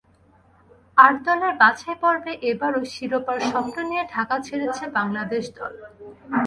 আট দলের বাছাইপর্বে এবারও শিরোপার স্বপ্ন নিয়ে ঢাকা ছেড়েছে বাংলাদেশ দল।